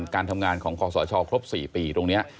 การทำงานของคอสชครบ๔ปีตรงนี้